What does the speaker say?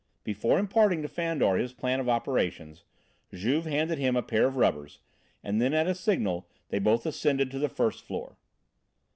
Before imparting to Fandor his plan of operations, Juve handed him a pair of rubbers, and then at a signal they both ascended to the first floor.